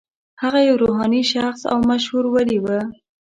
هغه یو روحاني شخص او مشهور ولي و.